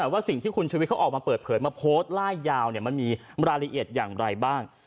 ว่าสิ่งที่คุณชุวิตเขาออกมาเปิดเผยมาโพสต์ล่ายยาวมันมีรายละเอียดอย่างไรบ้าง